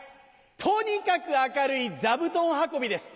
とにかく明るい座布団運びです。